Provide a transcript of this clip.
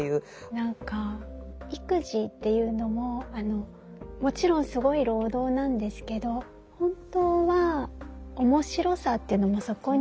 何か育児っていうのももちろんすごい労働なんですけど本当は面白さというのもそこにはあって。